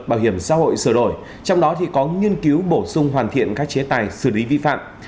bảo hiểm xã hội sửa đổi trong đó có nghiên cứu bổ sung hoàn thiện các chế tài xử lý vi phạm